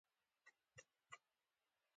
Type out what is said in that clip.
ډګروال وویل چې ستاسو تګ ما ډېر خپه کوي